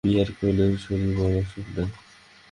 বিহারী কহিল, সারিবার অসুখ নহে।